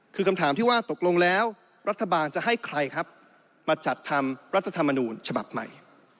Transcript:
คือคำถามที่ว่าตกลงแล้วรัฐบาลจะให้ใครครับมาจัดทำรัฐธรรมนูญฉบับใหม่